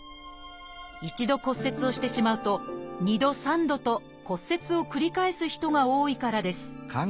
１度骨折をしてしまうと２度３度と骨折を繰り返す人が多いからです